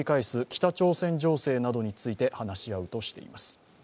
北朝鮮情勢などについて話し合うとしています。